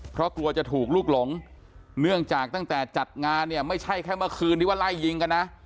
เพราะกลัวจะถูกลูกหลงเนื่องจากตั้งแต่จัดงานเนี่ยไม่ใช่แค่เมื่อคืนที่ว่าไล่ยิงกันนะ